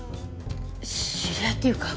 知り合いっていうか